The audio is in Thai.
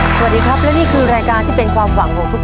สวัสดีครับและนี่คือรายการที่เป็นความหวังของทุกคน